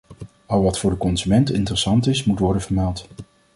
Al wat voor de consument interessant is, moet worden vermeld.